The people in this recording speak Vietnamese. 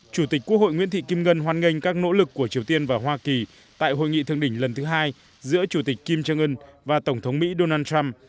chủ tịch quốc hội nguyễn thị kim ngân hoan nghênh các nỗ lực của triều tiên và hoa kỳ tại hội nghị thương đỉnh lần thứ hai giữa chủ tịch kim trương ưn và tổng thống mỹ donald trump